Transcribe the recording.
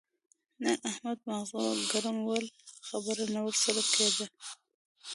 نن د احمد ماغزه ګرم ول؛ خبره نه ور سره کېده.